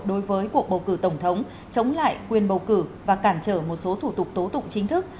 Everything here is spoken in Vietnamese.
đối với cuộc bầu cử tổng thống chống lại quyền bầu cử và cản trở một số thủ tục tố tụng chính thức